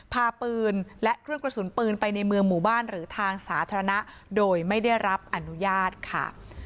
พาปืนและเครื่องกระสุนปืนไปในเมืองหมู่บ้านหรือทางสาธารณะโดยไม่ได้รับอนุญาตค่ะ